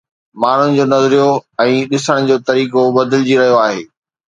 ماڻهن جو نظريو ۽ ڏسڻ جو طريقو بدلجي رهيو آهي